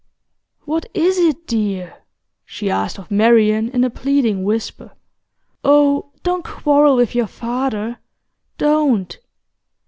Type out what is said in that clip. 'What is it, dear?' she asked of Marian, in a pleading whisper. 'Oh, don't quarrel with your father! Don't!